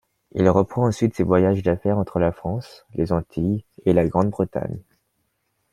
Il reprend ensuite ses voyages d'affaires entre la France, les Antilles et la Grande-Bretagne.